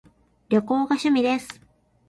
旅行が趣味です